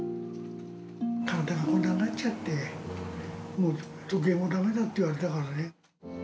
体がこんなになっちゃって、もう時計もだめだって言われたからね。